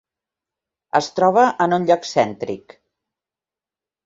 Es troba en un lloc cèntric.